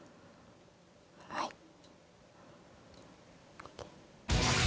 はいＯＫ？